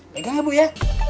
pegang ibu ya